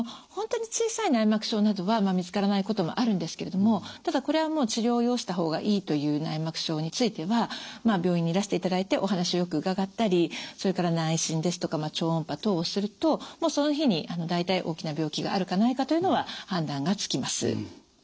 本当に小さい内膜症などは見つからないこともあるんですけれどもただこれはもう治療を要した方がいいという内膜症については病院にいらしていただいてお話をよく伺ったりそれから内診ですとか超音波等をするともうその日に大体大きな病気があるかないかというのは判断がつきます。